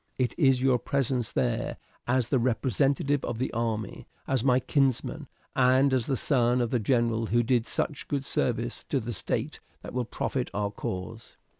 "It is your presence there as the representative of the army, as my kinsman, and as the son of the general who did such good service to the state that will profit our cause.